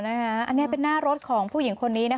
อันนี้เป็นหน้ารถของผู้หญิงคนนี้